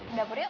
udah pur yuk